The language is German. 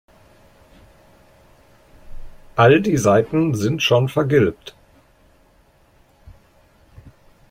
All die Seiten sind schon vergilbt.